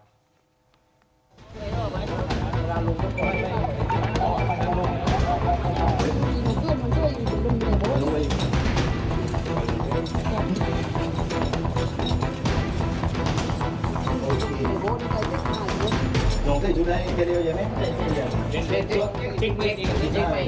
ปล่อยลงมาอีก